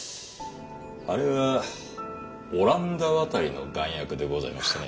あれはオランダわたりの丸薬でございましてね。